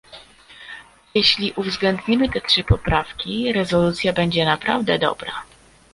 Jeśli uwzględnimy te trzy poprawki, rezolucja będzie naprawdę dobra